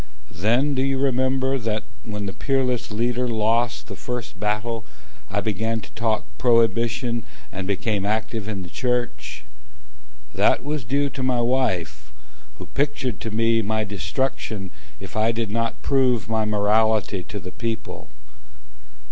Then do you remember that, when the Peerless Leader Lost the first battle, I began to talk prohibition, And became active in the church? That was due to my wife, Who pictured to me my destruction If I did not prove my morality to the people.